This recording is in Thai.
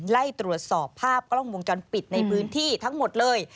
ไล่ตรวจสอบภาพกล้องวงจรปิดในพื้นที่ทั้งหมดเลย